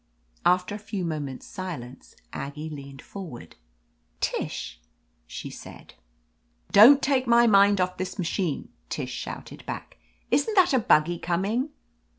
After a few moments' silence Aggie leaned forward. "Tish," she said. *T)on't take my mind off this machine!" Tish shouted back. "Isn't that a buggy com ing?"